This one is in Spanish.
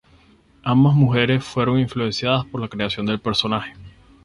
Ambas mujeres fueron una influencia para la creación del personaje.